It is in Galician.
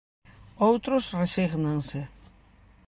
Outros resígnanse.